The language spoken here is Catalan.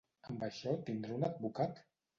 “Amb això tindré un advocat?”